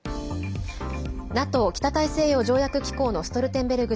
ＮＡＴＯ＝北大西洋条約機構のストルテンベルグ